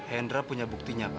hendra punya buktinya pak